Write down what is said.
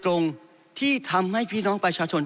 ตรงที่ทำให้พี่น้องประชาชน